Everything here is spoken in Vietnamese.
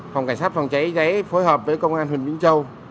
phòng cảnh sát phòng cháy chữa cháy phối hợp với công an huyện vĩnh châu